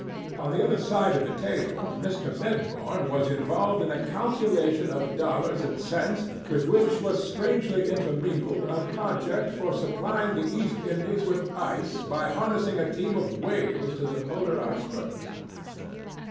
On the other side of the table, Mr. Medbourne was involved in a calculation of dollars and cents with which was strangely intermingled a project for supplying the East Indies with ice by harnessing a team of whales to the polar icebergs.